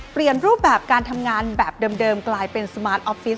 รูปแบบการทำงานแบบเดิมกลายเป็นสมาร์ทออฟฟิศ